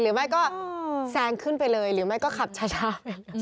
หรือไม่ก็แซงขึ้นไปเลยหรือไม่ก็ขับช้า